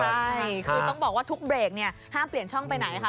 ใช่คือต้องบอกว่าทุกเบรกเนี่ยห้ามเปลี่ยนช่องไปไหนค่ะ